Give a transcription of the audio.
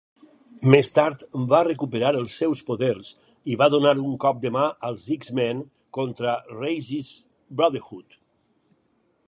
Més tard, va recuperar els seus poders i va donar un cop de mà als X-Men contra Raze's Brotherhood.